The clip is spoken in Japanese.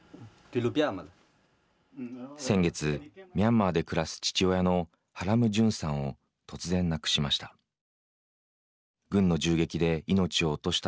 先月、ミャンマーで暮らす父親のハラム・ジュンさんを突然、亡くしました。